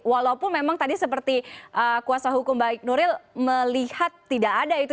walaupun memang tadi seperti kuasa hukum baik nuril melihat tidak ada itu